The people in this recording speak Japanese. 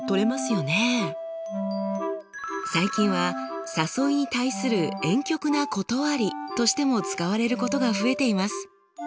最近は誘いに対するえん曲な断りとしても使われることが増えています。